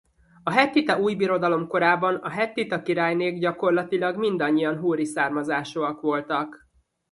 A hettita újbirodalom korában a hettita királynék gyakorlatilag mindannyian hurri származásúak voltak.